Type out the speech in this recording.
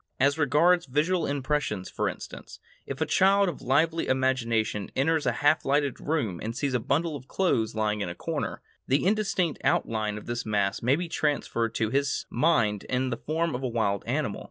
As regards visual impressions, for instance, if a child of lively imagination enters a half lighted room and sees a bundle of clothes lying in a corner, the indistinct outline of this mass may be transformed to his mind into the form of a wild animal.